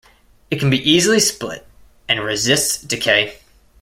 It can be easily split and resists decay.